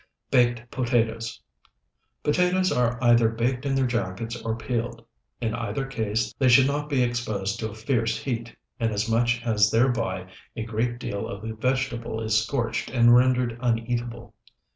BAKED POTATOES Potatoes are either baked in their jackets or peeled; in either case they should not be exposed to a fierce heat, inasmuch as thereby a great deal of the vegetable is scorched and rendered uneatable.